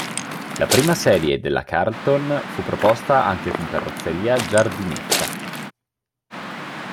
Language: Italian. La prima serie della Carlton fu proposta anche con carrozzeria giardinetta.